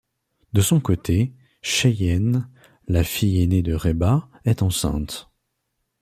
De son côté, Cheyenne, la fille aînée de Reba, est enceinte.